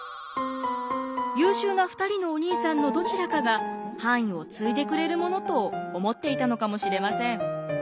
優秀な２人のお兄さんのどちらかが藩医を継いでくれるものと思っていたのかもしれません。